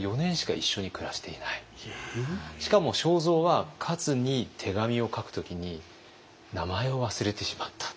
しかも正造はカツに手紙を書く時に名前を忘れてしまった。